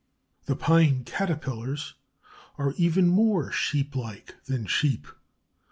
The Pine Caterpillars are even more sheeplike than sheep.